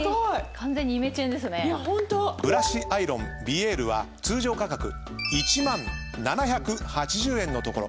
ブラシアイロンヴィエールは通常価格１万７８０円のところ